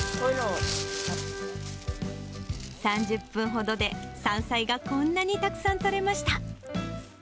３０分ほどで山菜がこんなにたくさん採れました。